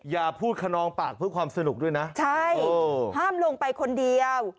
อย่าพูดขนองปากเพื่อความสนุกด้วยนะใช่ห้ามลงไปคนเดียว